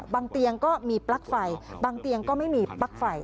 เตียงก็มีปลั๊กไฟบางเตียงก็ไม่มีปลั๊กไฟ